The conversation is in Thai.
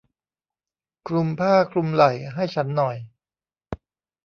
คลุมผ้าคลุมไหล่ให้ฉันหน่อย